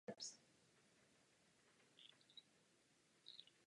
Následoval méně kontroverzní a také méně známý film "Wanda Nevada".